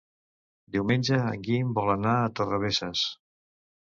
Diumenge en Guim vol anar a Torrebesses.